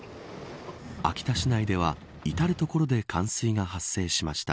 秋田市内では至る所で冠水が発生しました。